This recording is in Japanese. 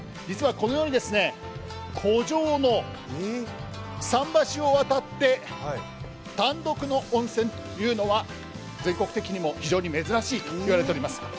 実はこのように湖上の桟橋を渡って、単独の温泉というのは全国的にも非常に珍しいといわれています。